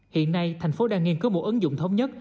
hiện nay thành phố đang nghiên cứu một ứng dụng thống nhất